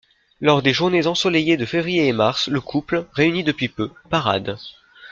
Lors des journées ensoleillées de février et mars, le couple, réuni depuis peu, parade.